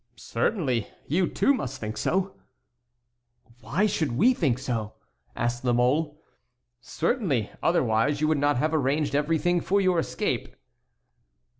"Certainly. You, too, must think so." "Why should we think so?" asked La Mole. "Certainly; otherwise you would not have arranged everything for your escape."